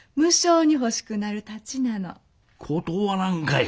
断らんかい！